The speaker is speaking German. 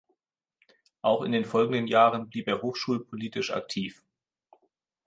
Auch in den folgenden Jahren blieb er hochschulpolitisch aktiv.